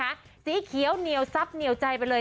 กินสีเขียวเนี่ยวซับเนี่ยวใจไปเลย